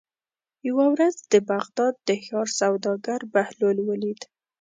یوه ورځ د بغداد د ښار سوداګر بهلول ولید.